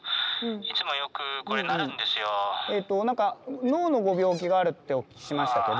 うんとえと何か脳のご病気があるってお聞きしましたけど。